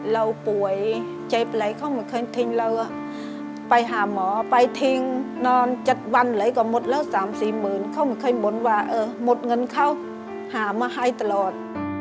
เราป่วยใจไหลเขาไม่เคยทิ้งเราไปหาหมอไปทิ้งนอน๗วันไหลก็หมดแล้ว๓๔หมื่นเขาไม่เคยบ่นว่าเออหมดเงินเขาหามาให้ตลอด